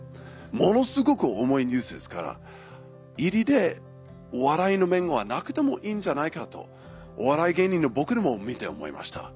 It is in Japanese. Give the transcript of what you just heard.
ものすごく重いニュースですから入りでお笑いの面はなくてもいいんじゃないかとお笑い芸人の僕でも見て思いました。